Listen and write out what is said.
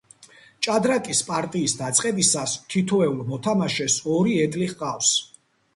ჭადრაკის პარტიის დაწყებისას თითოეულ მოთამაშეს ორი ეტლი ჰყავს.